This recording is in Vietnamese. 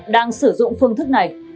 đang sử dụng phương thức này